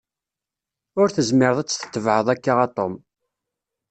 Ur tezmireḍ ad tt-tetebεeḍ akka a Tom.